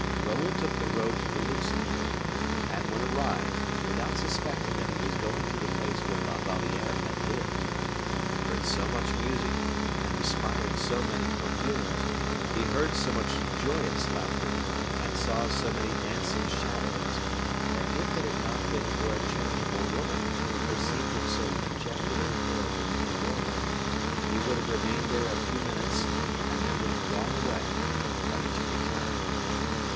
Raoul took the road to the Luxembourg, and when arrived, without suspecting that he was going to the place where La Valliere had lived, he heard so much music and respired so many perfumes, he heard so much joyous laughter, and saw so many dancing shadows, that if it had not been for a charitable woman, who perceived him so dejected and pale beneath a doorway, he would have remained there a few minutes, and then would have gone away, never to return.